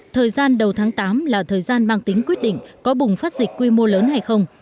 thời gian đầu tháng tám là thời gian mang tính quyết định có bùng phát dịch quy mô lớn hay không